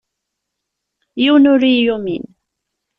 Yiwen ur yi-yumin.